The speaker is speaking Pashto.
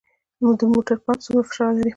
د موټر پمپ څومره فشار لري؟